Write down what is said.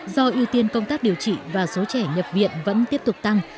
do ưu tiên công tác điều trị và số trẻ nhập viện vẫn tiếp tục tăng